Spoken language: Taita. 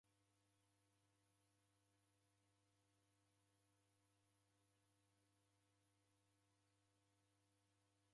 Kupata mfazili yakundika kulombe Mlungu sana.